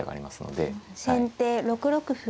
先手６六歩。